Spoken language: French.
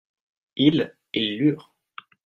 ils, ils lûrent.